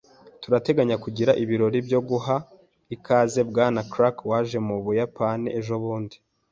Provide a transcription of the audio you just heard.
Turateganya kugira ibirori byo guha ikaze Bwana Clark waje mu Buyapani ejobundi.